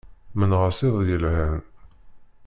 Mennaɣ-as iḍ yelhan.